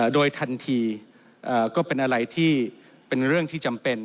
โดยทันทีก็เป็นอะไรที่เป็นเรื่องที่จำเป็น